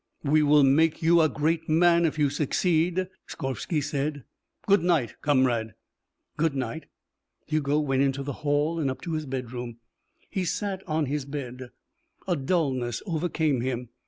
"We will make you a great man if you succeed," Skorvsky said. "Good night, comrade." "Good night." Hugo went into the hall and up to his bedroom. He sat on his bed. A dullness overcame him.